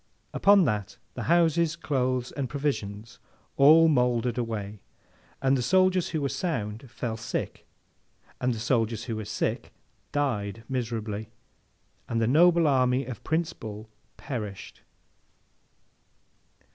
Upon that, the houses, clothes, and provisions, all mouldered away; and the soldiers who were sound, fell sick; and the soldiers who were sick, died miserably: and the noble army of Prince Bull perished.